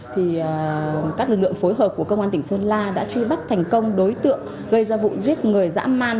thì các lực lượng phối hợp của công an tỉnh sơn la đã truy bắt thành công đối tượng gây ra vụ giết người dã man